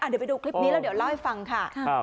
เดี๋ยวไปดูคลิปนี้แล้วเดี๋ยวเล่าให้ฟังค่ะ